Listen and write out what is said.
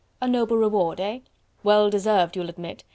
A noble reward, eh? well deserved you'll admit....